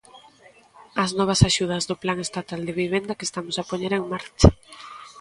As novas axudas do Plan estatal de vivenda que estamos a poñer en marcha.